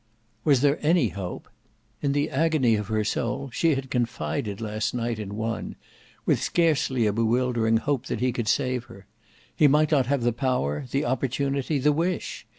Was there any hope? In the agony of her soul she had confided last night in one; with scarcely a bewildering hope that he could save her. He might not have the power, the opportunity, the wish.